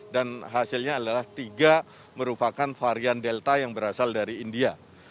dan hasilnya adalah tiga merupakan varian delta yang berasal dari india